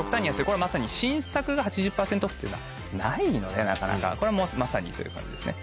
これまさに新作が８０％オフっていうのはないのでなかなかこれまさにという感じですね。